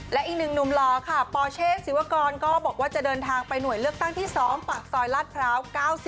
และอีกหนึ่งหนุ่มหล่อค่ะปเชษศิวากรก็บอกว่าจะเดินทางไปหน่วยเลือกตั้งที่๒ปากซอยลาดพร้าว๙๒